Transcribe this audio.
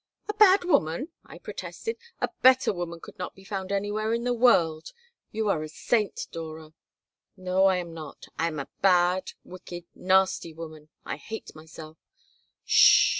"A bad woman!" I protested. "A better woman could not be found anywhere in the world. You are a saint, Dora." "No, I am not. I am a bad, wicked, nasty woman. I hate myself." "'S sh!